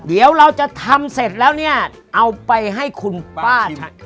เดี๋ยวเราจะทำเสร็จแล้วเนี่ยเอาไปให้คุณป้า